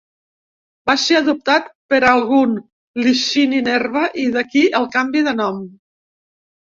Va ser adoptat per algun Licini Nerva i d'aquí el canvi de nom.